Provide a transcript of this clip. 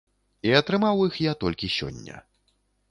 І атрымаў іх я толькі сёння.